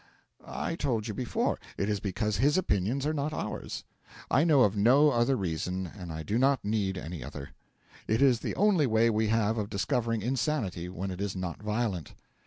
I told you before: it is because his opinions are not ours. I know of no other reason, and I do not need any other; it is the only way we have of discovering insanity when it is not violent.